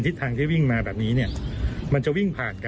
ทั้งตอนเข้าและตอนออก